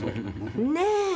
ねえ。